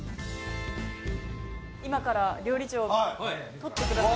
今から料理長がとってくださる。